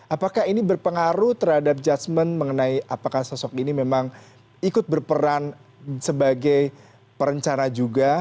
apakah ini berpengaruh terhadap judgement mengenai apakah sosok ini memang ikut berperan sebagai perencana juga